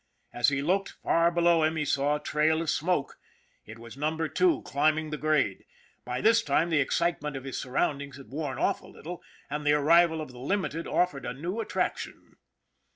As he looked, far below him he saw a trail of smoke. It was Number Two climbing the grade. By this time the excitement of his surroundings had worn off a little, and the arrival of the Limited offered a new attraction.